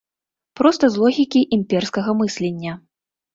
Проста з логікі імперскага мыслення.